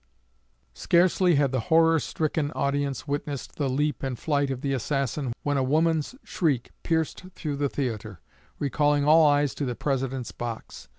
Scarcely had the horror stricken audience witnessed the leap and flight of the asassin when a woman's shriek pierced through the theatre, recalling all eyes to the President's box.